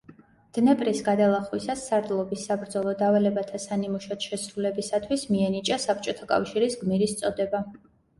დნეპრის გადალახვისას სარდლობის საბრძოლო დავალებათა სანიმუშოდ შესრულებისათვის მიენიჭა საბჭოთა კავშირის გმირის წოდება.